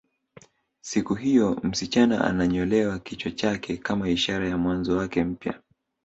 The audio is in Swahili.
Siku hiyo msichana ananyolewa kichwa chake kama ishara ya mwanzo wake mpya